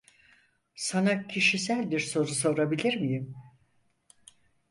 Sana kişisel bir soru sorabilir miyim?